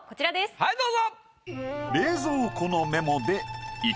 はいどうぞ。